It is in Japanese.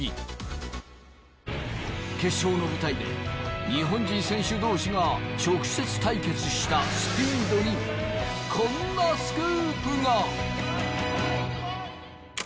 決勝の舞台で日本人選手同士が直接対決したスピードにこんなスクープが！